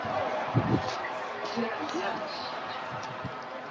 kusuluhisha zimekuwa zaidi za kiteknolojia km kubadili